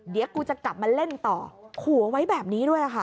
เดี๋ยวกูจะกลับมาเล่นต่อขู่เอาไว้แบบนี้ด้วยค่ะ